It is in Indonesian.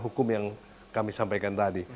itu yang upaya represif ya atau penegakan